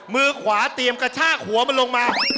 มือขวาเตรียมกระชากหัวมันลงมา